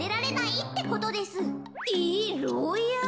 えっろうや！